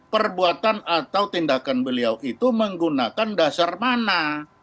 perbuatan atau tindakan beliau itu menggunakan dasar mana